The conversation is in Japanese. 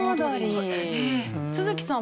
都築さん